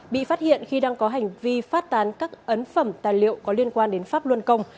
bị phát hiện khi đang có hành vi phát tán các ấn phẩm tài liệu có liên quan đến pháp luân công